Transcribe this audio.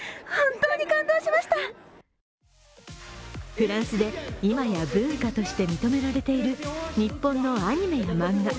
フランスで今や文化として認められている日本のアニメや漫画。